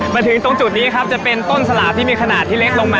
มาถึงตรงจุดนี้ครับจะเป็นต้นสลากที่มีขนาดที่เล็กลงมา